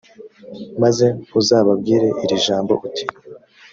maze uzababwire iri jambo uti